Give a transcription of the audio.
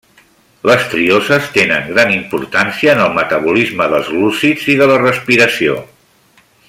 Les trioses tenen gran importància en el metabolisme dels glúcids i de la respiració.